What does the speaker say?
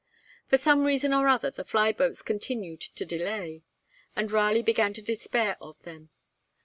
For some reason or other, the fly boats continued to delay, and Raleigh began to despair of them.